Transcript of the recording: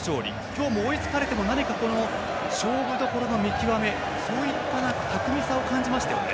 今日も追いつかれても勝負どころの見極めそういった巧みさを感じましたよね。